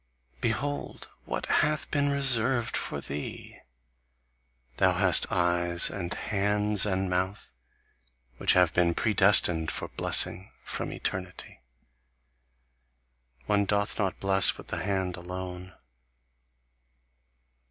Behold, what hath been reserved for thee? Thou hast eyes and hands and mouth, which have been predestined for blessing from eternity. One doth not bless with the hand alone.